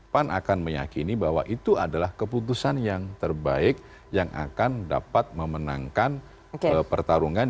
pan akan meyakini bahwa itu adalah keputusan yang terbaik yang akan dapat memenangkan pertarungan